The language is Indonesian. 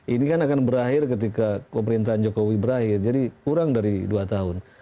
ini kan akan berakhir ketika pemerintahan jokowi berakhir jadi kurang dari dua tahun